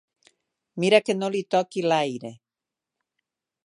Mira que no li toqui l'aire.